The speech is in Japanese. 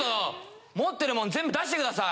持ってるもん全部出してください。